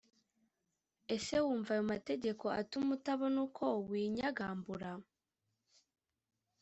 Ese wumva ayo mategeko atuma utabona uko winyagambura?